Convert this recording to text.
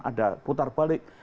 ada putar balik